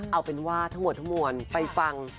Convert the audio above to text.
เอาเป็นว่าทั้งหมดไปฟัง